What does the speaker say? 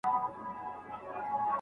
د څيړني اړتیا له عادي درس څخه زیاته وي.